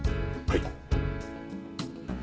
はい。